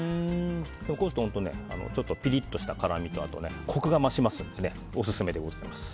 こうすると本当にちょっとピリッとした辛みとコクが増しますのでオススメでございます。